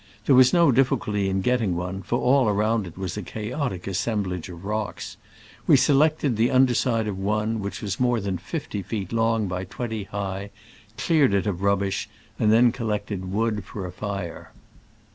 There was no difficulty in getting one, for all around it was a chaotic assemblage of rocks. We se lected the under side of one, which was more than fifty feet long by twenty high, cleared it of rubbish, and then collected wood for a fire.